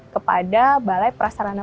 kepada balai prasarana